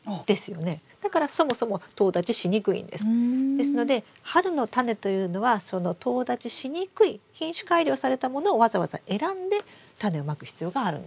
ですので春のタネというのはそのとう立ちしにくい品種改良されたものをわざわざ選んでタネをまく必要があるんです。